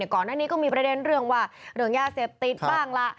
ก่อนหน้านี้ก็มีประเด็นเรื่องว่าเรื่องยาเสพติดบ้างล่ะ